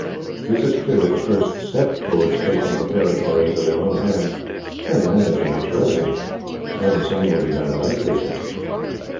This is clearly the first step towards taking the territory into their own hands, and managing its revenues, and the same will be done in other cases.